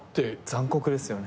残酷ですよね。